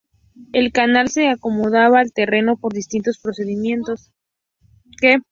El canal se acomodaba al terreno por distintos procedimientos.